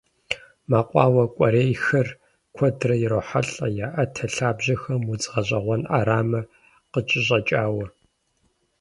Мэкъуауэ кӏуэрейхэр куэдрэ ирохьэлӏэ я ӏэтэ лъабжьэхэм удз гъэщӏэгъуэн ӏэрамэ къыкӏэщӏэкӏауэ.